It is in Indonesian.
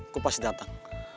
gue pasti datang